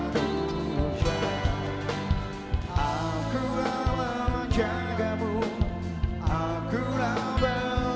tuhan yang terhampa